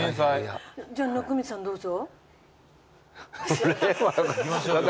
じゃ温水さんどうぞ。